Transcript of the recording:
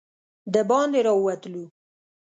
د باندې راووتلو.